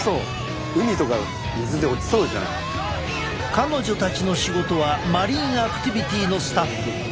彼女たちの仕事はマリンアクティビティのスタッフ。